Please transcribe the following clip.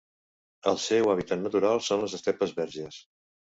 El seu hàbitat natural són les estepes verges.